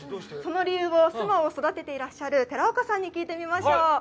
その理由をスマを育てていらっしゃる寺岡さんに聞いてみましょう。